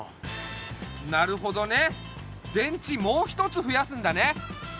なるほどね電池もう一つふやすんだね！